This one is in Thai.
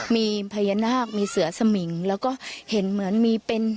มีพญานาคมีเสือสมิงแล้วก็เห็นเหมือนมีเป็น